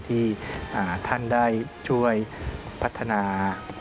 ที่ท่านได้ช่วยพัฒนา